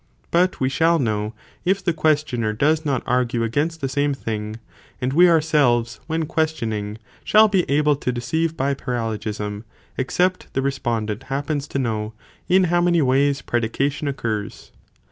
but we shall know if the questioner does not argue against the same thing, and we ourselves, when questioning, shall be able to deceive by paralogism, except the respondent' happens to know, in how many ways predication occurs.